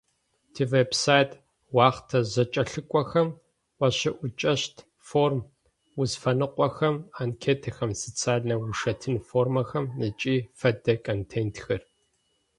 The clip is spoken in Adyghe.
Тивеб-сайт охътэ зэкӏэлъыкӏохэм уащыӏукӏэщт форм-узфэныкъохэм, анкетхэм, социальнэ ушэтын формэхэм ыкӏи фэдэ контентхэр.